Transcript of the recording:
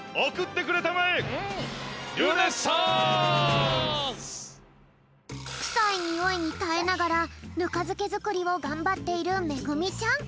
くさいニオイにたえながらぬかづけづくりをがんばっているめぐみちゃん。